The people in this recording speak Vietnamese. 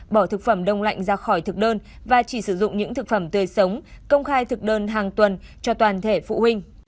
bỏ thực phẩm đông lạnh ra khỏi thực đơn và chỉ sử dụng những thực phẩm tươi sống công khai thực đơn hàng tuần cho toàn thể phụ huynh